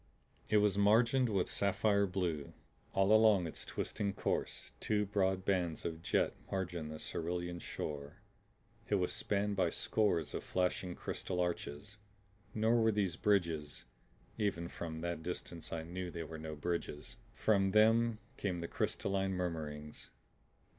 It was margined with sapphire blue. All along its twisting course two broad bands of jet margined the cerulean shore. It was spanned by scores of flashing crystal arches. Nor were these bridges even from that distance I knew they were no bridges. From them came the crystalline murmurings.